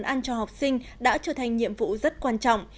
bảo đảm cho học sinh đã trở thành nhiệm vụ rất quan trọng